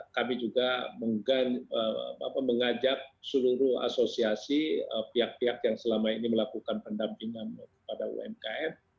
kami juga mengajak seluruh asosiasi pihak pihak yang selama ini melakukan pendampingan kepada umkm